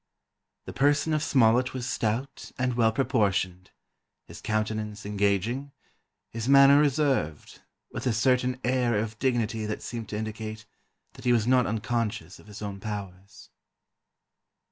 ] "The person of Smollett was stout and well proportioned, his countenance engaging, his manner reserved, with a certain air of dignity that seemed to indicate that he was not unconscious of his own powers."